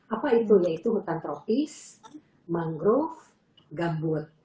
apa itu yaitu hutan tropis mangrove gambut